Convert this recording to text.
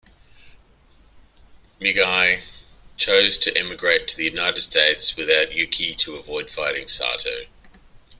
Miyagi chose to emigrate to the United States without Yuki, to avoid fighting Sato.